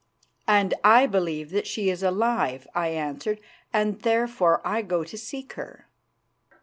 "And I believe that she is alive," I answered, "and therefore I go to seek her."